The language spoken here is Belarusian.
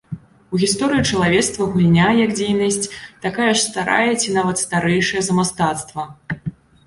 У гісторыі чалавецтва гульня, як дзейнасць, такая ж старая ці нават старэйшая за мастацтва.